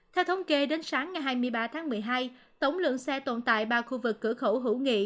theo thống kê đến sáng ngày hai mươi ba tháng một mươi hai tổng lượng xe tồn tại ba khu vực cửa khẩu hữu nghị